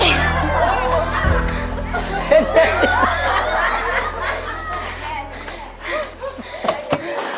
เม็ด